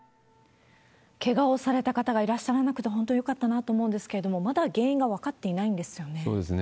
けがをされた方がいらっしゃらなくて、本当よかったなと思うんですけれども、まだ原因が分かっていないんですよね。